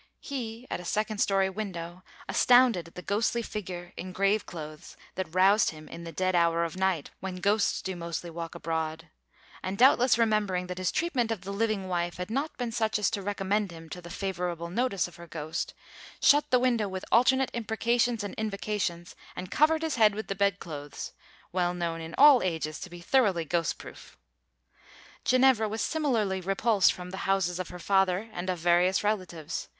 He, at a second story window, astounded at the ghostly figure in grave clothes that roused him in the dead hour of night, "when ghosts do mostly walk abroad," and doubtless remembering that his treatment of the living wife had not been such as to recommend him to the favorable notice of her ghost, shut the window with alternate imprecations and invocations, and covered his head with the bedclothes well known in all ages to be thoroughly ghost proof. Ginevra was similarly repulsed from the houses of her father and of various relatives.